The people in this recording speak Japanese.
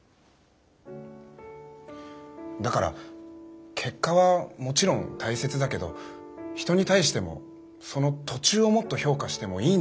だから結果はもちろん大切だけど人に対してもその途中をもっと評価してもいいんじゃないかな。